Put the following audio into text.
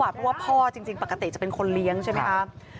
เพราะว่าพ่อจริงปกติจะเป็นคนเลี้ยงใช่ไหมคะ